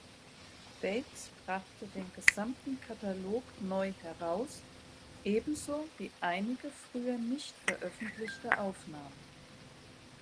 Bates brachte den gesamten Katalog neu heraus, ebenso wie einige früher nicht veröffentlichte Aufnahmen.